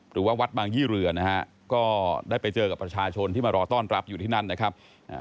หรือว่าวัดบางยี่เรือนะฮะก็ได้ไปเจอกับประชาชนที่มารอต้อนรับอยู่ที่นั่นนะครับ